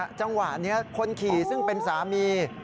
จังหวะนี้คนขี่ซึ่งเป็นสามี